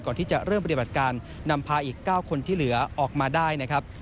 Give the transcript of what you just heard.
ก่อนที่จะเริ่มปฏิบัติการนำพาอีก๙คนที่เหลือออกมาได้นะครับ